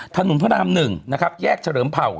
ถนนพระนาม๑แยกเฉลิมเผา